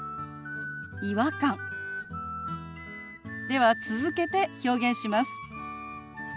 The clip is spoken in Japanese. では続けて表現します。